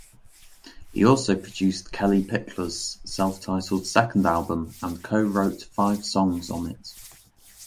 He also produced Kellie Pickler's self-titled second album and co-wrote five songs on it.